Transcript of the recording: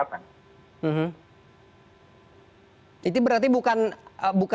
itu berarti bukan berarti juga bisa dimaknai bahwa dengan angka yang sebelumnya